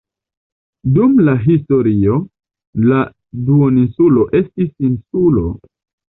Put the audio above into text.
Dum la historio la duoninsulo estis insulo.